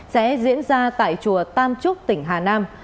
sẽ diễn ra tại chùa tam trúc tỉnh hà nam